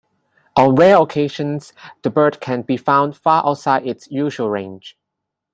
On rare occasions the bird can be found far outside its usual range.